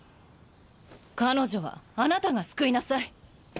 彼女はあなたが救いなさい。